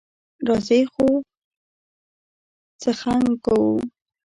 راځئ ځو څخنک کوو.